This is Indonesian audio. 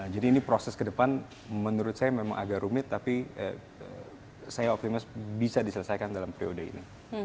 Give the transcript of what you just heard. jadi ini proses ke depan menurut saya memang agak rumit tapi saya optimis bisa diselesaikan dalam periode ini